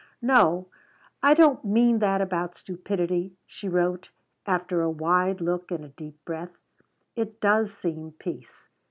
"No, I don't mean that about stupidity," she wrote after a wide look and a deep breath. "It does seem peace.